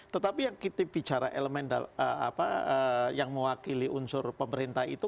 tetapi yang kita bicara elemen yang mewakili unsur pemerintah itu